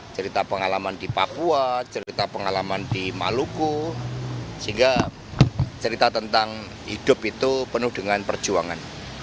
cerita tentang hidup itu penuh dengan perjuangan